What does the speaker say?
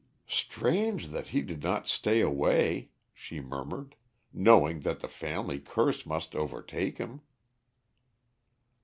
"Strange that he did not stay away," she murmured, "knowing that the family curse must overtake him."